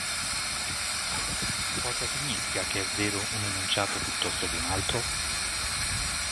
Cosa significa che è "vero" un enunciato piuttosto che un altro?